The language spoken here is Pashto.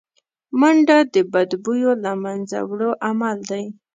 منډه د بدبویو له منځه وړو عمل دی